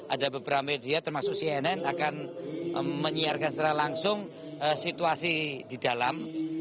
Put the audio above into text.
ada beberapa media termasuk cnn akan menyiarkan secara langsung situasi di dalam